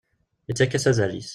Yettak-as azal-is.